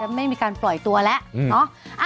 อาจจะไม่มีการปล่อยตัวแล้วเนอะ